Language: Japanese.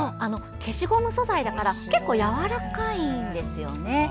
消しゴム素材だから結構やわらかいんですよね。